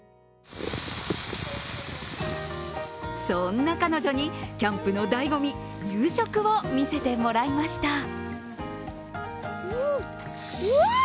そんな彼女にキャンプの醍醐味、夕食を見せてもらいました。